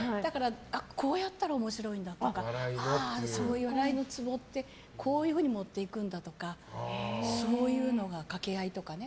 こうやったら面白いんだとかそういう笑いのツボってこういうふうに持っていくんだとか掛け合いとかね。